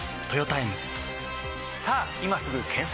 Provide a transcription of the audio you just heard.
さぁ今すぐ検索！